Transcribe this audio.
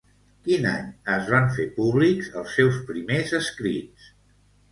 Quin any es van fer públics els seus primers escrits?